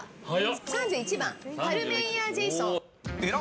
３１番、パルメイヤージェイソン。